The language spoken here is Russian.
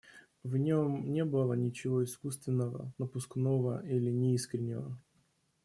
В нем не было ничего искусственного, напускного или неискреннего.